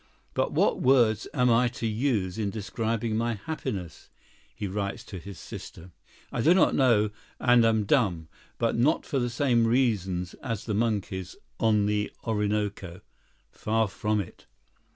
"But what words am I to use in describing my happiness?" he writes to his sister. "I do not know and am dumb, but not for the same reason as the monkeys on the Orinoco—far from it."